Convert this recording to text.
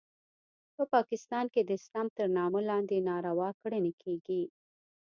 په پاکستان کې د اسلام تر نامه لاندې ناروا کړنې کیږي